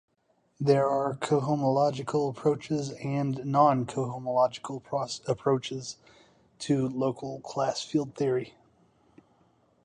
There are cohomological approaches and non-cohomological approaches to local class field theory.